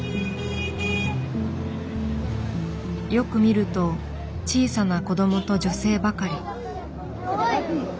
よく見ると小さな子どもと女性ばかり。